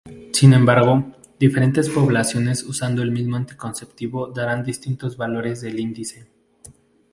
Sin embargo, diferentes poblaciones usando el mismo anticonceptivo darán distintos valores del Índice.